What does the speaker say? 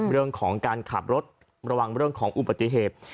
เรื่องของการขับรถระวังเรื่องของอุบัติเหตุ